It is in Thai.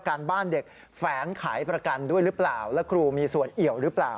การบ้านเด็กแฝงขายประกันด้วยหรือเปล่าแล้วครูมีส่วนเอี่ยวหรือเปล่า